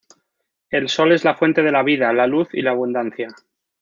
El sol es la fuente de la vida, la luz y la abundancia.